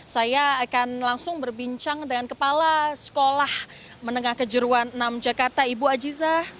saya akan langsung berbincang dengan kepala sekolah menengah kejuruan enam jakarta ibu ajiza